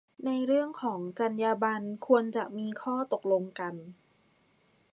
ในเรื่องของจรรยาบรรณ ควรจะมีข้อตกลงกัน